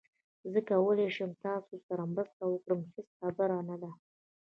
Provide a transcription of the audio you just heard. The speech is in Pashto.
زه کولای شم تاسو سره مرسته وکړم، هیڅ خبره نه ده